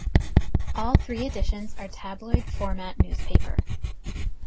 All three editions are tabloid format newspaper.